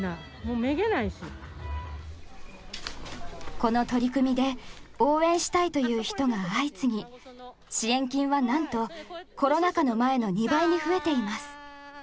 この取り組みで応援したいという人が相次ぎ支援金はなんとコロナ禍の前の２倍に増えています。